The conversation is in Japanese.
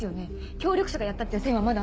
協力者がやったっていう線はまだ。